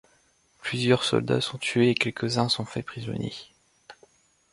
Plusieurs soldats sont tués et quelques-uns sont faits prisonniers.